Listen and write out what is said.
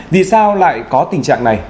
vì sao lại có tình trạng này